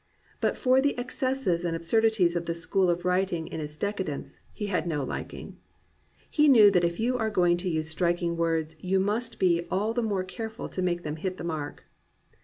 But for the excesses and absurdities of this school of writing in its decadence, he had no liking. He knew that if you are going to use striking words you must be all the more care ful to make them hit the mark.